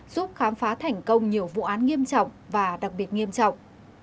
giúp khám phá thành công nhiều vụ án nghiêm trọng và đặc biệt nghiêm trọng